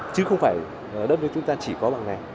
chứ không phải đất nước chúng ta chỉ có bằng này